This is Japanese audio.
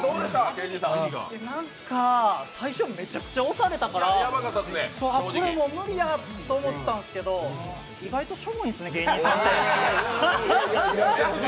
なんか、最初めちゃくちゃ押されたから、これ無理やと思ったんですけど、意外としょぼいんですね、芸人さんって。